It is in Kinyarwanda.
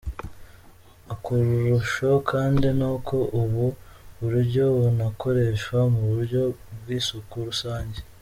Akarusho kandi ni uko ubu buryo bunakoreshwa mu buryo bw’isuku rusange.